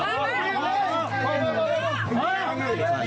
อินทรัพย์